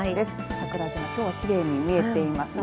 桜島、きょうはきれいに見えていますね。